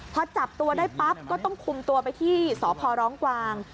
พอจับตัวได้ปั๊บก็ต้องคุมตัวไปที่สพร้องกวาง